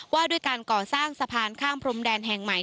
ว่าด้วยการก่อสร้างสะพานข้ามพรมแดนแห่งใหม่